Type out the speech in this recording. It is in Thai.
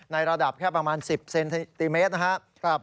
ระดับแค่ประมาณ๑๐เซนติเมตรนะครับ